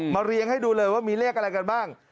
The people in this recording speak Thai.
เรียงให้ดูเลยว่ามีเลขอะไรกันบ้าง